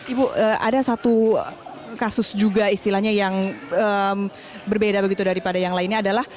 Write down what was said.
ibu ada satu kasus juga istilahnya yang berbeda begitu daripada yang lainnya adalah